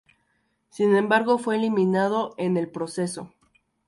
Sin embargo fue eliminado en el proceso.